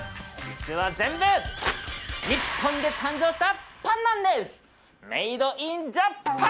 実は全部日本で誕生したパンなんです！